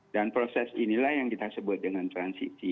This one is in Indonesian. dan proses inilah yang kita sebut dengan transisi